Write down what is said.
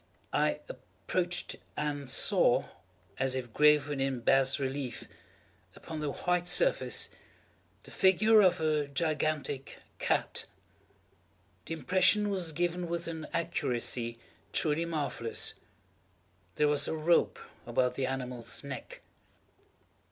I approached and saw, as if graven in bas relief upon the white surface, the figure of a gigantic cat. The impression was given with an accuracy truly marvellous. There was a rope about the animal's neck.